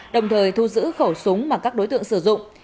đồng thời thu giữ khẩu súng mà các đối tượng sử dụng